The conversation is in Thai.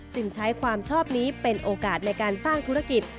ใช้ความชอบนี้เป็นโอกาสในการสร้างธุรกิจ